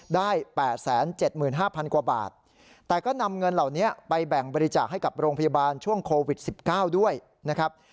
ได้แปดแสนเจ็ดหมื่นห้าพันกว่าบาทแต่ก็นำเงินเหล่านี้ไปแบ่งบริจาคให้กับโรงพยาบาลช่วงโควิดสิบเก้าด้วยนะครับ